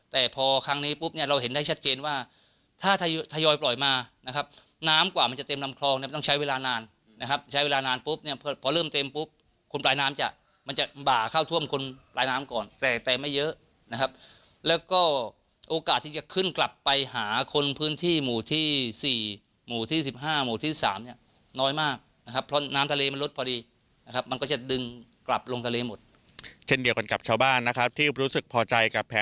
แต่พอครั้งนี้ปุ๊บเนี่ยเราเห็นได้ชัดเจนว่าถ้าทยอยปล่อยมานะครับน้ำกว่ามันจะเต็มลำคลองเนี่ยต้องใช้เวลานานนะครับใช้เวลานานปุ๊บเนี่ยพอเริ่มเต็มปุ๊บคนปลายน้ำจะมันจะบ่าเข้าท่วมคนปลายน้ำก่อนแต่แต่ไม่เยอะนะครับแล้วก็โอกาสที่จะขึ้นกลับไปหาคนพื้นที่หมู่ที่สี่หมู่ที่สิบห้าหมู่ที่สามเนี่ยน้อยมากนะครั